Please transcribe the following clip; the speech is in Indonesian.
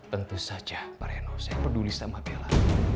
tentu saja pak reno saya peduli sama bella